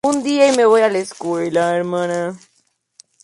Lista de anfitriones por número de campeonatos de ronda final.